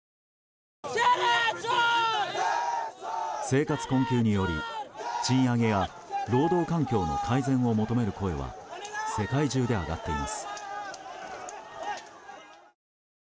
生活困窮により、賃上げや労働環境の改善を求める声は世界中で上がっています。